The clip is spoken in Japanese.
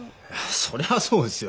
そりゃそうですよ。